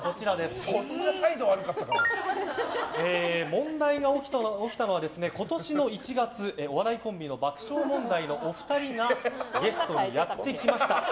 問題が起きたのは今年の１月お笑いコンビの爆笑問題のお二人がゲストにやってきました。